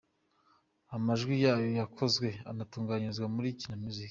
Amajwi yayo yakozwe anatunganyirizwa muri Kina Music.